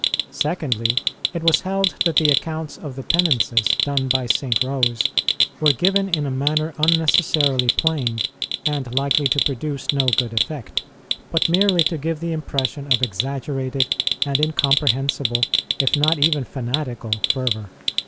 Secondly, it was held that the accounts of the penances done by St. Rose were given in a manner unnecessarily plain and likely to produce no good effect, but merely to give the impression of exaggerated and incomprehensible, if not even fanatical, fervour.